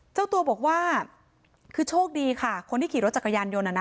เจ้าตัวบอกว่าคือโชคดีค่ะคนที่ขี่รถจักรยานยนต์น่ะนะ